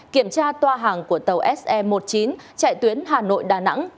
kiểm tra toa hàng của tàu se một mươi chín chạy tuyến hà nội đà nẵng